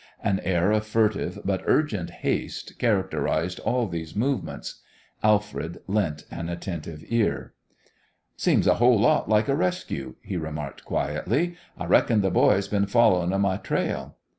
An air of furtive but urgent haste characterised all these movements. Alfred lent an attentive ear. "Seems a whole lot like a rescue," he remarked, quietly. "I reckon th' boys been followin' of my trail."